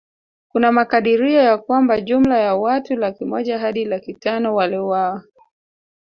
Kuna makadirio ya kwamba jumla ya watu laki moja Hadi laki tano waliuawa